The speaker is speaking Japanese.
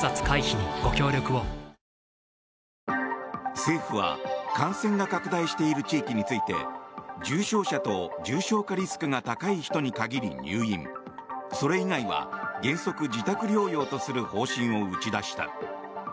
政府は感染が拡大している地域について重症者と重症化リスクが高い人に限り入院それ以外は原則、自宅療養とする方針を打ち出した。